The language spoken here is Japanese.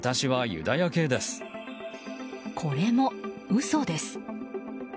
これも嘘です。